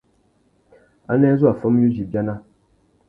Anē zu a famú yudza ibiana?